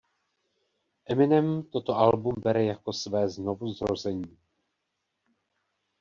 Eminem toto album bere jako své znovuzrození.